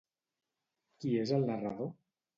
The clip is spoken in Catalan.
Qui és el narrador?